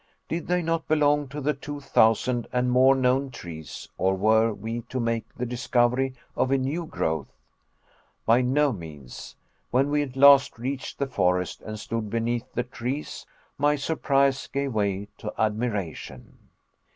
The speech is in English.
Did they not belong to the two thousand and more known trees or were we to make the discovery of a new growth? By no means. When we at last reached the forest, and stood beneath the trees, my surprise gave way to admiration.